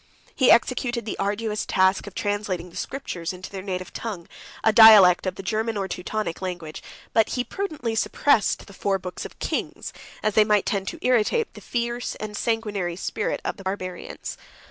He executed the arduous task of translating the Scriptures into their native tongue, a dialect of the German or Teutonic language; but he prudently suppressed the four books of Kings, as they might tend to irritate the fierce and sanguinary spirit of the Barbarians.